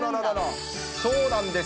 そうなんです。